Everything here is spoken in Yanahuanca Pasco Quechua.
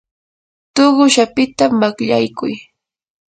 tuqush apita makyaykuy.